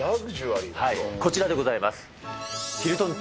はい、こちらでございます。